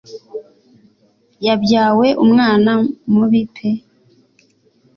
yabyawe umwana mubi pe